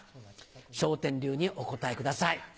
笑点流にお答えください